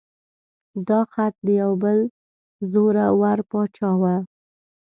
دا خط د یو بل زوره ور باچا و.